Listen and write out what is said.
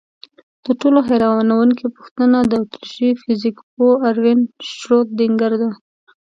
تر ټولو حیرانوونکې پوښتنه د اتریشي فزیکپوه اروین شرودینګر ده.